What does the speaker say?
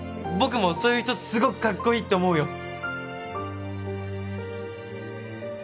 僕もそういう人すごくかっこいいと思うよ。